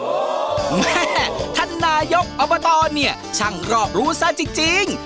แม่ท่านนายกอบตเนี่ยช่างรอบรู้ซะจริง